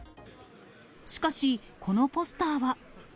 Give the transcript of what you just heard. しかし、このポスターは。